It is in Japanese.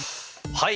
はい。